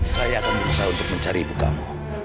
saya akan berusaha untuk mencari ibu kamu